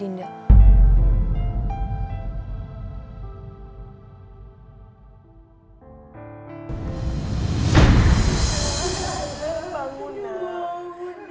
dinda tidak bisa menghubungi nafitri